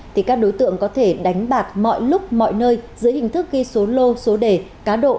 thì các đối tượng có thể đánh bạc mọi lúc mọi nơi giữa hình thức ghi số lô số đề cá độ